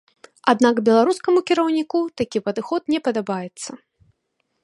Аднак беларускаму кіраўніку такі падыход не падабаецца.